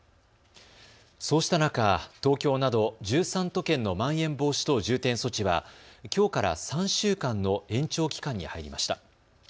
そうした中、東京など１３都県のまん延防止等重点措置はきょうから３週間の延長期間に入りました。